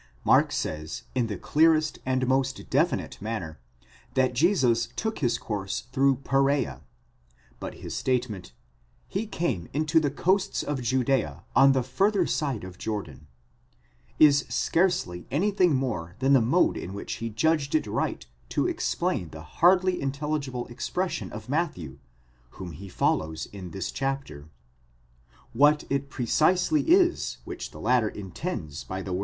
Mark says in the clearest and most definite manner that Jesus took his course through Perea ; but his statement, He came into the: coasts of Judea on the further side of Jordan, ἔρχεται εἰς τὰ ὅρια τῦς ᾿Ιουδαίας διὰ τοῦ πέραν τοῦ Ἰορδάνου, is scarcely anything more than the mode in which he: judged it right to explain the hardly intelligible expression of Matthew, whom: he follows in this chapter. What it precisely is which the latter intends by the.